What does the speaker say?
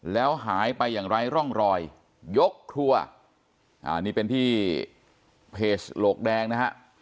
แล้วหายไปอย่างไร้ร่องรอยยกครัวอันนี้เป็นที่เพจโหลกแดงนะฮะ